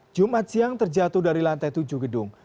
jumat siang terjatuh dari lantai tujuh gedung